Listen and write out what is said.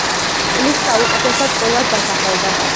წლის საუკეთესო წყვილად დაასახელა.